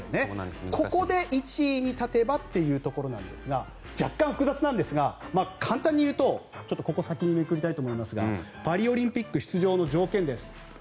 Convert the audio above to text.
ここで１位に立てばというところですが若干、複雑なんですが簡単に言うとここ先にめくりたいと思いますがパリオリンピック出場の条件です。